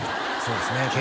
そうですね